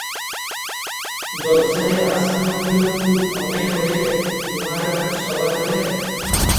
ଜଜ୍ ସାହେବ ଆସାମୀ ଓକିଲକୁ ଅନାଇ କହିଲେ - ତୁମାରା କୁଛ୍ ସବାଲ ହେ?